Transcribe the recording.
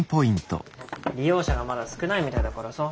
利用者がまだ少ないみたいだからさ。